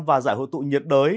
và giải hội tụ nhiệt đới